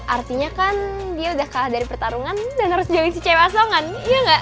artinya kan dia udah kalah dari pertarungan dan harus jalin si cewek asongan iya gak